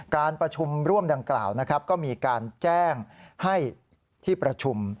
การประชุมร่วมดังกล่าวนะครับก็มีการแจ้งให้ที่ประชุม